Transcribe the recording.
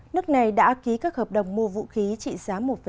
nước này đã ký các hợp đồng mua vũ khí trị giá một năm